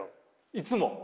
いつも。